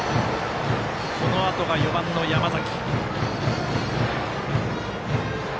このあとが４番の山崎。